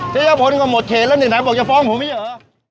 เจ้าเยียบฟ้นก็หมดเขตแล้วนี่ไหนบอกจะฟ้องผมไม่ใช่เหรอ